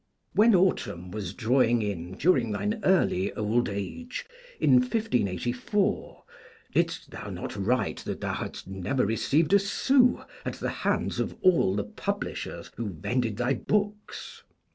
When autumn was drawing in during thine early old age, in 1584, didst thou not write that thou hadst never received a sou at the hands of all the publishers who vended thy books?